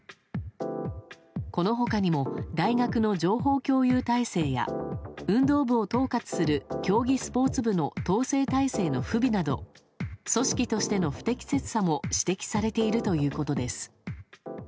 この他にも大学の情報共有体制や運動部を統括する競技スポーツ部の統制体制の不備など組織としての不適切さも指摘されているということです。